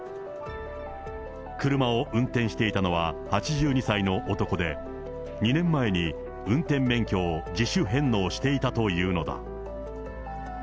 車を運転していたのは８２歳の男で、２年前に運転免許を自主返納していたというのだ。